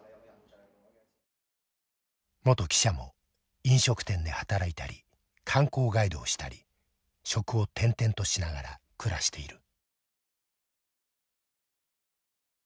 元記者も飲食店で働いたり観光ガイドをしたり職を転々としながら暮らしている。